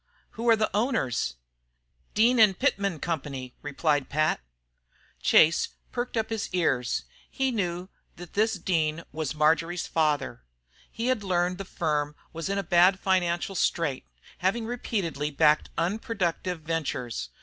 "Who are the owners?" "Dean & Pitman Co.," replied Pat. Chase pricked up his ears. He knew that this Dean was Marjory's father. He had learned the firm was in a bad financial strait, having repeatedly backed unproductive ventures.